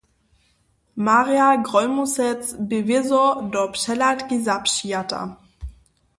Marja Grólmusec bě wězo do přehladki zapřijata.